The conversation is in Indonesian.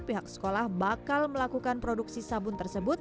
pihak sekolah bakal melakukan produksi sabun tersebut